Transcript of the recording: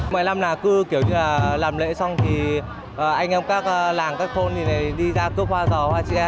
mọi năm nào cứ kiểu như là làm lễ xong thì anh em các làng các thôn đi ra cướp hoa giò hoa tre